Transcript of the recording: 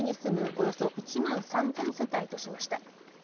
およそ１万３０００世帯としました。